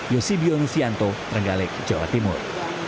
yosibionus yanto renggalek jawa timur